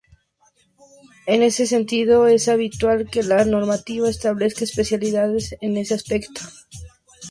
En ese sentido, es habitual que la normativa establezca especialidades en ese aspecto.